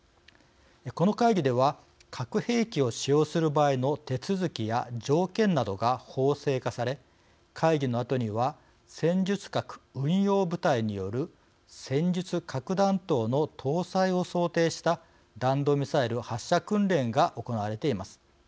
この会議では核兵器を使用する場合の手続きや条件などが法制化され会議のあとには戦術核運用部隊による戦術核弾頭の搭載を想定した弾道ミサイル発射訓練が行われています。